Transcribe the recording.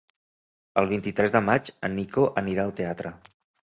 El vint-i-tres de maig en Nico anirà al teatre.